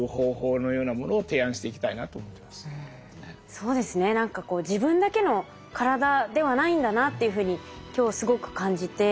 そうですね何かこう自分だけの体ではないんだなっていうふうに今日すごく感じて。